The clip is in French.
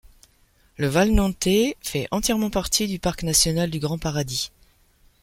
Le Valnontey fait entièrement partie du parc national du Grand-Paradis.